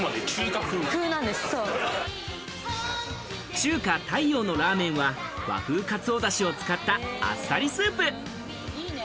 中華太陽のラーメンは和風かつおだしを使ったあっさりスープ。